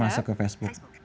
masuk ke facebook